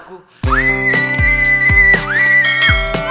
aku gak mau